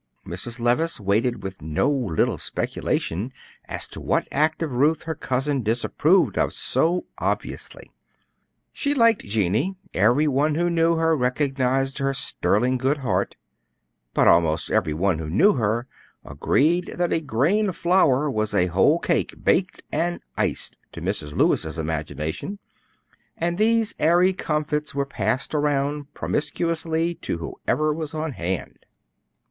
Mrs. Levice waited with no little speculation as to what act of Ruth her cousin disapproved of so obviously. She like Jennie; every one who knew her recognized her sterling good heart; but almost every one who knew her agreed that a grain of flour was a whole cake, baked and iced, to Mrs. Lewis's imagination, and these airy comfits were passed around promiscuously to whoever was on hand.